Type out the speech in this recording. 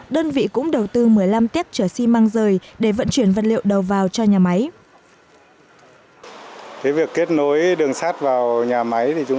đơn vị cũng đầu tư một mươi năm tiếp chở xi măng rời để vận chuyển vật liệu đầu vào cho nhà máy